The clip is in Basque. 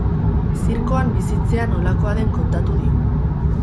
Zirkoan bizitzea nolakoa den kontatu digu.